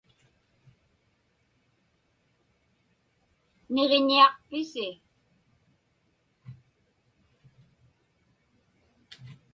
Niġiñiaqpisi?